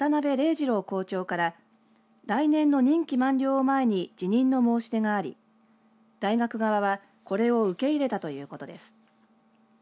二郎校長から来年の任期満了を前に辞任の申し出があり大学側はこれを受け入れたということです。